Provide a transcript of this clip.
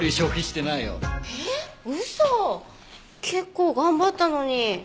結構頑張ったのに。